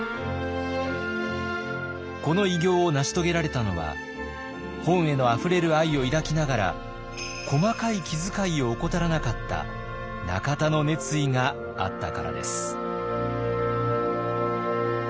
この偉業を成し遂げられたのは本へのあふれる愛を抱きながら細かい気づかいを怠らなかった中田の熱意があったからです。